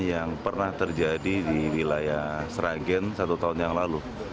yang pernah terjadi di wilayah sragen satu tahun yang lalu